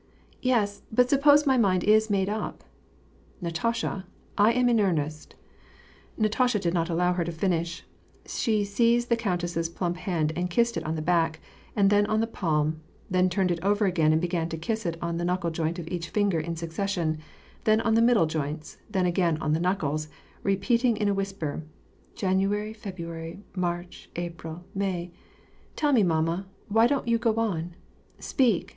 "Yes, but suppose my mind is made up." "Natasha, I am in earnest" — Natasha did not allow her to finish ; she seized the countess's plump hand and kissed it on the back, and then on the palm ; then turned it over again and began to kiss it on the knuckle joint of each finger in succession, then on the middle joints, then again on the knuckles, repeating in a whisper, " January, February, March, April, May — tell me, mamma, why don't you go on ? Speak